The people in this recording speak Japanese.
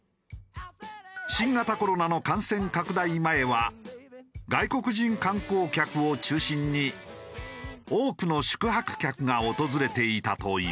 新型コロナの感染拡大前は外国人観光客を中心に多くの宿泊客が訪れていたという。